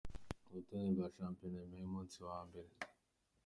Urutonde rwa Shampiona nyuma y’umunsi wa mbere.